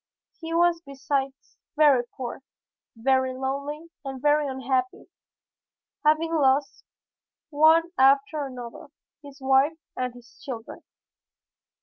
He was besides very poor, very lonely and very unhappy, having lost one after another, his wife and his children.